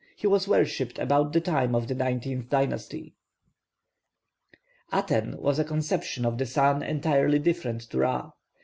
He was worshipped about the time of the nineteenth dynasty. +Aten+ was a conception of the sun entirely different to Ra.